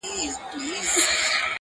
هغه خاموسه شان آهنگ چي لا په ذهن کي دی،